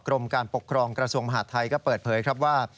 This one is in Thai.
กรมการปกครองกระทรวงมหาดไทยก็เปิดเผยครับว่า